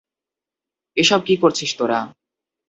এসব কি করছিস তোরা?